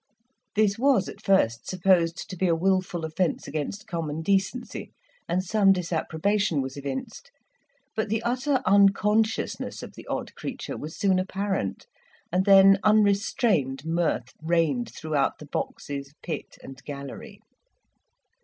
This was at first supposed to be a wilful offence against common decency, and some disapprobation was evinced; but the utter unconsciousness of the odd creature was soon apparent, and then urestrained mirth reigned throughout the boxes, pit, and gallery.